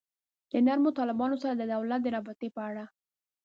د نرمو طالبانو سره د دولت د رابطې په اړه.